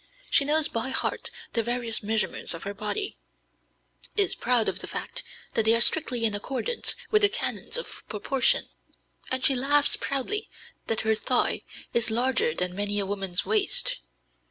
She knows by heart the various measurements of her body, is proud of the fact that they are strictly in accordance with the canons of proportion, and she laughs proudly at the thought that her thigh is larger than many a woman's waist.